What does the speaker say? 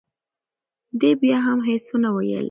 دې بیا هم هیڅ ونه ویل.